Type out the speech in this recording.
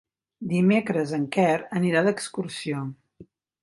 Dimecres en Quer anirà d'excursió.